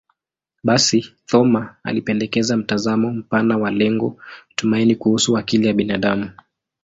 Basi, Thoma alipendekeza mtazamo mpana na lenye tumaini kuhusu akili ya binadamu.